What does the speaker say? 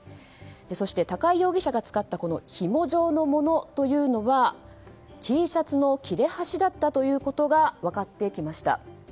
そして、高井容疑者が使ったひも状のものというのはＴシャツの切れ端だったことが分かってきました。